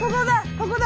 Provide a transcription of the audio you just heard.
ここだ！